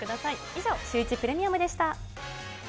以上、シューイチプレミアムでした。